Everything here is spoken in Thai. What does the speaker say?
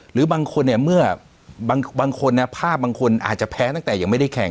หรือบางคนเนี่ยเมื่อบางคนภาพบางคนอาจจะแพ้ตั้งแต่ยังไม่ได้แข่ง